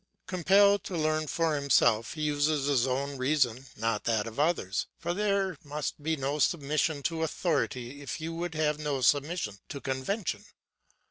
Compelled to learn for himself, he uses his own reason not that of others, for there must be no submission to authority if you would have no submission to convention.